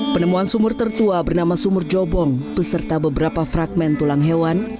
penemuan sumur tertua bernama sumur jobong beserta beberapa fragment tulang hewan